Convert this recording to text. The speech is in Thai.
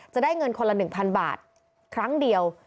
จะได้เงินคนละ๑๐๐บาทครั้งเดียว